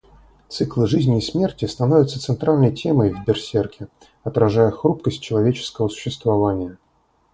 Циклы жизни и смерти становятся центральной темой в Берсерке, отражая хрупкость человеческого существования.